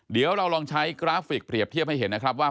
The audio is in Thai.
เดี๋ยวเราลองใช้กราฟิกเปรียบเทียบให้เห็นนะครับว่า